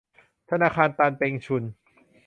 ธนาคารตันเปงชุน